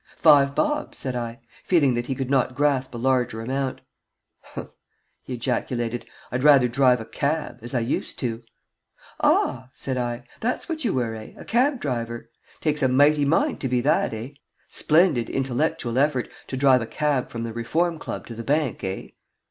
"Five bob," said I, feeling that he could not grasp a larger amount. "Humph!" he ejaculated. "I'd rather drive a cab as I used to." "Ah?" said I. "That's what you were, eh? A cab driver. Takes a mighty mind to be that, eh? Splendid intellectual effort to drive a cab from the Reform Club to the Bank, eh?"